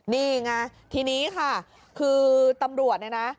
นี่ไงทีนี้ค่ะคือตำรวจเนี่ยนะ